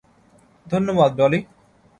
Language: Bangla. ধন্যবাদ, ডলি।